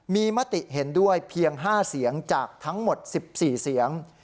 มีมติเห็นด้วยเพียง๕เสียงจากทั้งหมด๑๔เสียง